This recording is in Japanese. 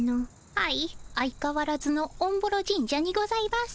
はい相かわらずのおんぼろ神社にございます。